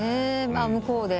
向こうで？